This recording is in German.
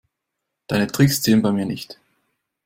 Deine Tricks ziehen bei mir nicht.